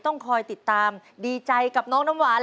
ต้องคอยติดตามดีใจกับน้องน้ำหวาน